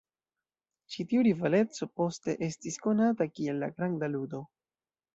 Ĉi tiu rivaleco poste estis konata kiel La Granda Ludo.